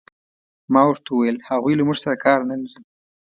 ما ورته وویل: هغوی له موږ سره کار نه لري.